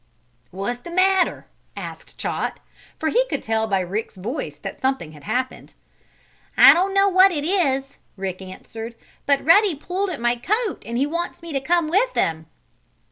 "What's the matter?" asked Chot, for he could tell by Rick's voice that something had happened. "I don't know what it is," Rick answered, "but Ruddy pulled at my coat, and wants me to come with him!"